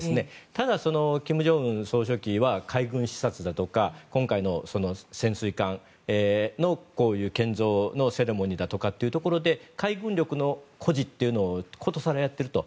ただ、金正恩総書記は海軍視察だとか今回の潜水艦の建造のセレモニーだとかで海軍力の誇示を殊更やっていると。